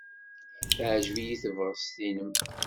Teɛjeb-iyi tebɣest-nnem.